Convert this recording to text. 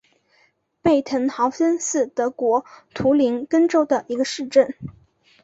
贝滕豪森是德国图林根州的一个市镇。